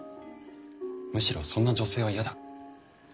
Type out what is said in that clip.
むしろそんな女性は嫌だ。